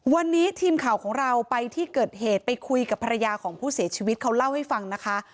วันนี้ทีมข่าวของเราไปที่เกิดเหตุไปคุยกับภรรยาของผู้เสียชีวิตเขาเล่าให้ฟังนะคะ